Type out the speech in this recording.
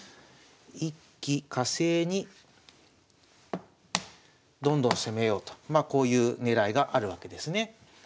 一気かせいにどんどん攻めようとまあこういう狙いがあるわけですね。